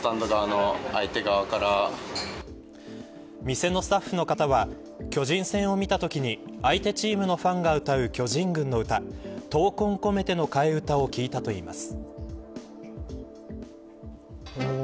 店のスタッフの方は巨人戦を見たときに相手チームのファンが歌う巨人軍の歌闘魂こめての替え歌を聞いたといいます。